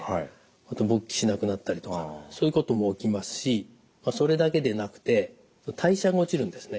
あと勃起しなくなったりとかそういうことも起きますしそれだけでなくて代謝が落ちるんですね。